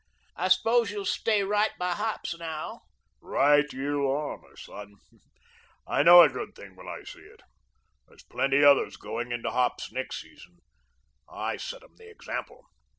"I suppose you'll stay right by hops now?" "Right you are, m'son. I know a good thing when I see it. There's plenty others going into hops next season. I set 'em the example.